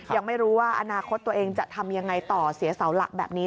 ยังไม่รู้ว่าอนาคตตัวเองจะทำยังไงต่อเสียเสาหลักแบบนี้